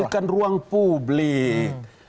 ini kan ruang publik